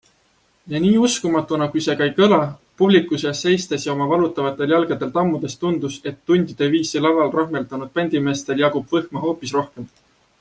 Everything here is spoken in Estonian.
Ja nii uskumatuna kui see ka ei kõla - publiku seas seistes ja oma valutavatel jalgadel tammudes tundus, et tundide viisi laval rahmeldanud bändimeestel jagub võhma hoopis rohkem.